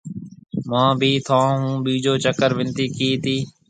مهون بي ٿَي هون ٻيجو چڪر ونتي ڪِي تي۔